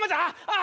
あ！